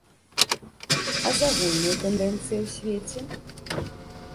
А з агульнай тэндэнцыяй у свеце?